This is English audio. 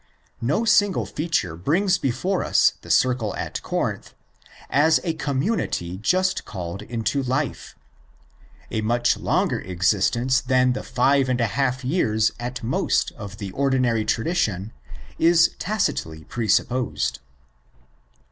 No single feature brings before us the circle at Corinth as a community just called into life. A much longer existence than the five and a half years at most of the ordinary tradition is tacitly pre supposed.